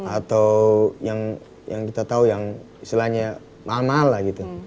atau yang kita tahu yang istilahnya mahal lah gitu